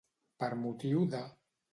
Per motiu de.